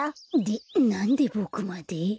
でなんでボクまで？